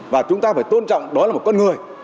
và chúng ta phải tôn trọng đó là một con người